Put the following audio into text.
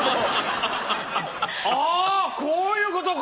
あこういうことか！